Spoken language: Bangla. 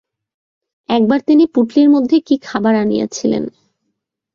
একবার তিনি পুঁটুলির মধ্যে কি খাবার আনিয়াছিলেন।